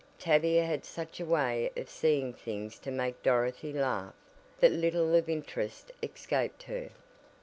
Tavia had such a way of seeing things to make Dorothy laugh, that little of interest escaped her.